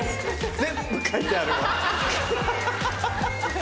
全部書いてあるよ。